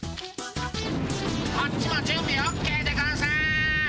「こっちもじゅんびオッケーでゴンス。